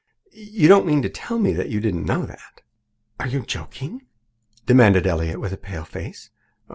You don't mean to tell me that you didn't know that!" "Are you joking?" demanded Elliott with a pale face.